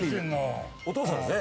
お父さんですね。